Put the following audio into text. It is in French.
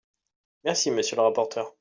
Merci, monsieur le rapporteur.